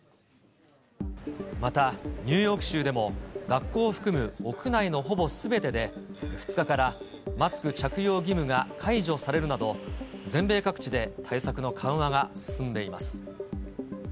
またニューヨーク州でも、学校を含む屋内のほぼすべてで、２日からマスク着用義務が解除されるなど、全米各地で対策の緩和が進んでいます。